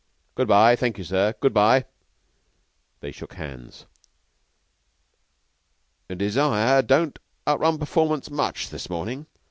"Good by. Thank you, sir. Good by." They shook hands. "Desire don't outrun performance much this mornin'.